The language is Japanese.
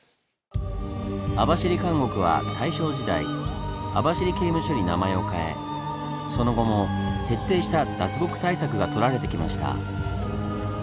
網走監獄は大正時代「網走刑務所」に名前を変えその後も徹底した脱獄対策がとられてきました。